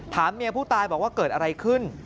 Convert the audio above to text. เมียผู้ตายบอกว่าเกิดอะไรขึ้น